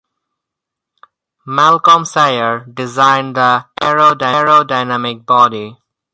Malcolm Sayer designed the aerodynamic body.